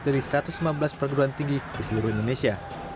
dari satu ratus lima belas perguruan tinggi di seluruh indonesia